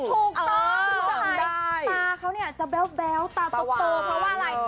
ถูกต้องคุณผู้ชมตาเขาเนี่ยจะแบ๊วตาตกเตอเพราะว่าอะไร